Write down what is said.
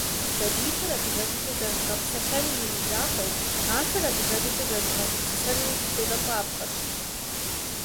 Сабийхэр адыгэбзэкӏэ зэрыдгъэпсэлъэным имызакъуэу, ахэр адыгэбзэкӀэ зэрыдгъэгупсысэнми делӀэлӀапхъэщ.